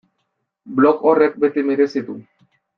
Blog horrek beti merezi du.